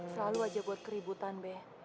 selalu aja buat keributan deh